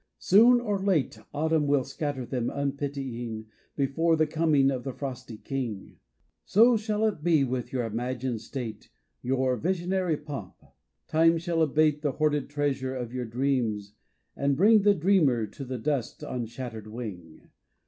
Soon or late Autumn will scattter them unpitying Before the coming of the frosty king. So shall it be with your imagined state, Your visionary pomp : Time shall abate The hoarded treasure of your dreams and bring The dreamer to the dust on shattered wing.